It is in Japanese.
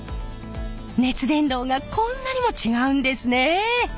熱伝導がこんなにも違うんですね。